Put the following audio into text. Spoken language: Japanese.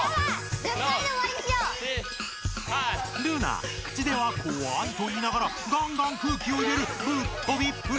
ルナ口では「こわい」と言いながらガンガン空気を入れるぶっとびっぷり！